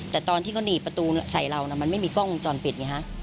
แต่ตอนที่เขาหนีประตูใส่เรามันไม่มีกล้องวงจรปิดไงฮะ